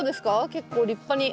結構立派に。